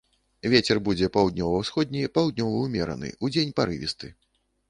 Вецер будзе паўднёва-ўсходні, паўднёвы ўмераны, удзень парывісты.